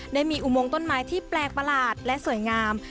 ได้มีอุโมงต้นไม้ที่แปลกประหลาดและสวยงาม